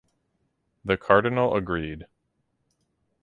The Cardinal agreed.